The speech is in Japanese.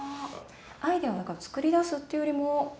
アイデアを作り出すというよりも。